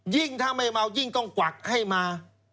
ถ้าไม่เมายิ่งต้องกวักให้มา